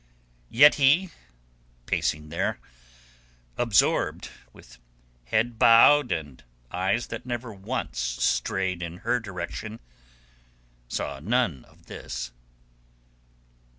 Yet he, pacing there, absorbed, with head bowed and eyes that never once strayed in her direction, saw none of this.